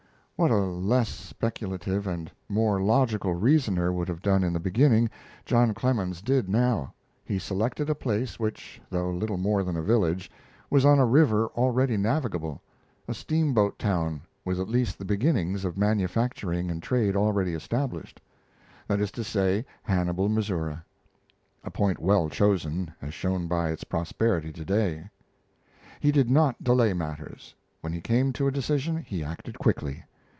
What a less speculative and more logical reasoner would have done in the beginning, John Clemens did now; he selected a place which, though little more than a village, was on a river already navigable a steamboat town with at least the beginnings of manufacturing and trade already established that is to say, Hannibal, Missouri a point well chosen, as shown by its prosperity to day. He did not delay matters. When he came to a decision, he acted quickly.